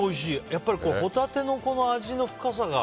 やっぱりホタテの味の深さが。